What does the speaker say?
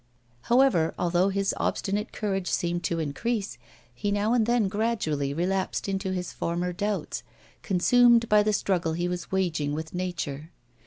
However, although his obstinate courage seemed to increase, he now and then gradually relapsed into his former doubts, consumed by the struggle he was waging with nature.